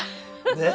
ねっ！